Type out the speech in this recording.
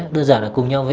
đơn giản là cùng nhau vẽ